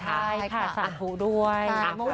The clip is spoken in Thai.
ใช่ค่ะสั่นหูด้วย